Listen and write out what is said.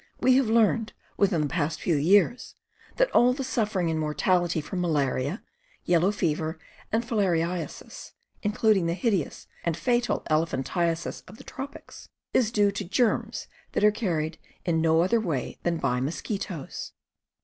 We have learned, within the past few years, that all the suffering and mortality from malaria, yellow fever, and filariasis (including the hideous and fatal elephantiasis of the tropics) is due to germs that are carried in no other way than by mos quitoes.